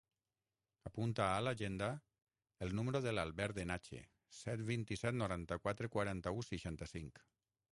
Apunta a l'agenda el número de l'Albert Enache: set, vint-i-set, noranta-quatre, quaranta-u, seixanta-cinc.